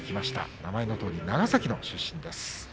名前のとおり、長崎の出身です。